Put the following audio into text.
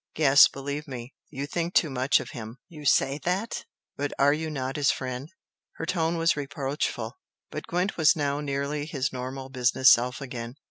Yes believe me, you think too much of him!" "You say that? But are you not his friend?" Her tone was reproachful. But Gwent was now nearly his normal business self again.